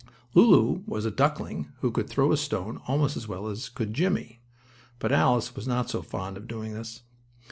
Lulu was a duckling who could throw a stone almost as well as could Jimmie, but Alice was not so fond of doing this.